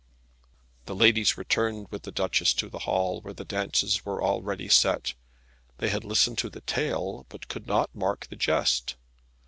The ladies returned with the Duchess to the hall, where the dances were already set. They had listened to the tale, but could not mark the jest.